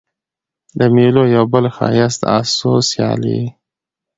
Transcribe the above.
د مېلو یو بل ښایست د آسو سیالي يي.